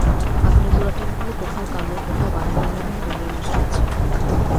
আগুনে পোড়া টিনগুলো কোথাও কালো, কোথাও বাদামি রঙের হয়ে দুমড়ে-মুচড়ে আছে।